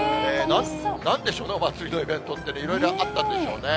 なんでしょうね、お祭りのイベントってね、いろいろあったんでしょうね。